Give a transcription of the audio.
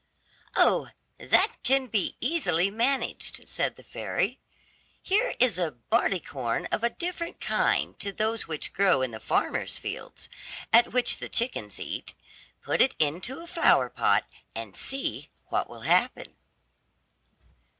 "Oh, that can be easily managed," said the fairy. "Here is a barleycorn of a different kind to those which grow in the farmer's fields, and which the chickens eat; put it into a flower pot, and see what will happen."